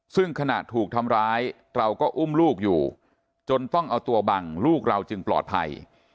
ซึ่งขณะถูกทำร้ายเราก็อุ้มลูกอยู่จนต้องเอาตัวบังลูกเราจึงปลอดภัย